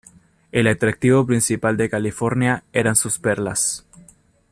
El atractivo principal de California eran sus perlas.